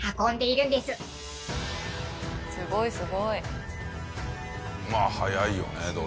すごい。